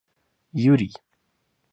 Юрий